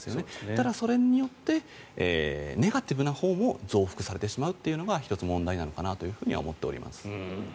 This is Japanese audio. ただ、それによってネガティブなほうも増幅されてしまうというのが１つ、問題なのかなとは思っております。